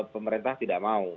pemerintah tidak mau